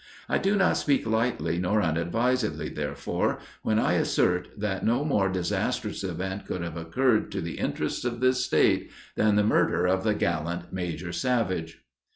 I do not speak lightly nor unadvisedly, therefore, when I assert that no more disastrous event could have occurred to the interests of this State, than the murder of the gallant Major Savage."